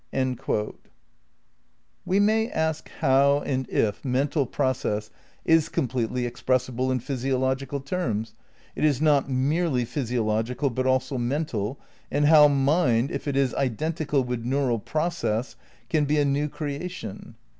* We may ask how and if mental process is "com pletely expressible in physiological terms" it is not "merely physiological but also mental"; and how mind, if it is identical with neural process, can be a new creation?